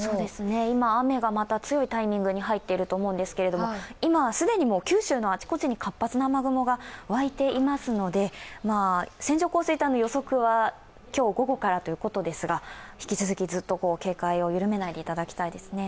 今、雨がまた強いタイミングに入っていると思うんですけれども、今は既に九州のあちこちに活発な雨雲が湧いていますので線状降水帯の予測は今日午後からということですが引き続きずっと警戒を緩めないでいただきたいですね。